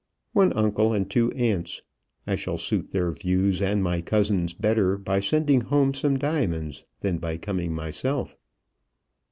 "One uncle and two aunts. I shall suit their views and my cousins' better by sending home some diamonds than by coming myself."